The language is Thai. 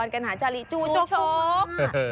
กันหาชาลีจูชก